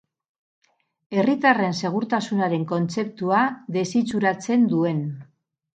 Herritarren segurtasunaren kontzeptua desitxuratzen duen.